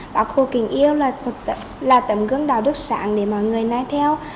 đất là tầm gương đạo đức sẵn để mọi người nói theo